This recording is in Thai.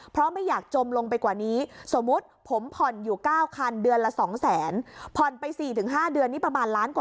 เพราะไม่อยากจมลงไปกว่านี้สมมุติผมผ่อนอยู่เก้าคันเดือนละสองแสน